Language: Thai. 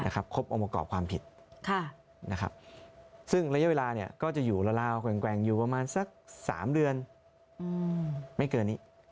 ครบองค์ประกอบความผิดซึ่งระยะเวลาก็จะอยู่ราวแกว่งอยู่ประมาณสัก๓เดือนไม่เกินนี้